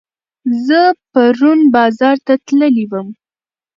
زه پرون بازار ته تللي وم